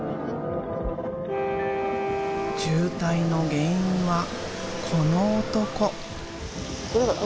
渋滞の原因はこの男。